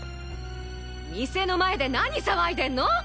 店の前でなに騒いでんの？